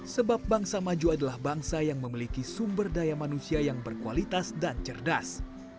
sebab bangsa maju adalah bangsa yang memiliki sumber daya manusia yang berkualitas dan cerdas